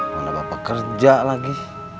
mana bapak kerja lagi